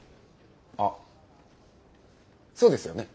あっそうですよね？